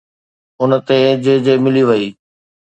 ان تي جي جي ملي وئي